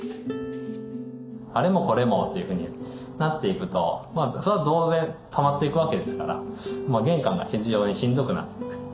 あれもこれもというふうになっていくとそれは当然たまっていくわけですからもう玄関が非常にしんどくなっていく。